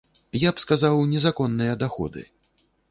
Я б сказаў, незаконныя даходы.